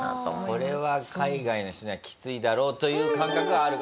これは海外の人にはきついだろうという感覚はある。